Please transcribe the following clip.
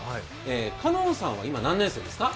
翔音さんは何年生ですか？